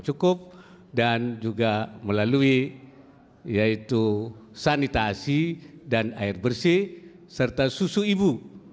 cukup dan juga melalui yaitu sanitasi dan air bersih serta susu ibu